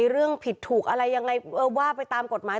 เรื่องผิดถูกอะไรยังไงว่าไปตามกฎหมาย